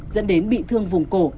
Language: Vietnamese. dẫn đến bị thương vùng cổ